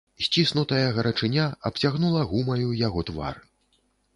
Сціснутая гарачыня абцягнула гумаю яго твар.